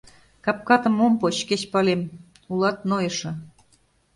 Капкатым ом поч, кеч палем: улат нойышо